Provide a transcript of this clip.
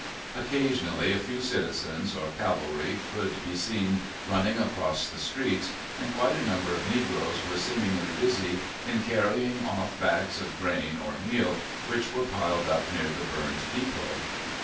Occasionally a few citizens or cavalry could be seen running across the streets, and quite a number of negroes were seemingly busy in carrying off bags of grain or meal, which were piled up near the burned depot.